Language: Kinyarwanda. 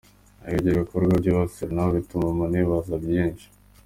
Abo ibyo bikorwa byibasira nabo bituma umuntu yibaza byinshi.